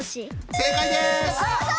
正解です！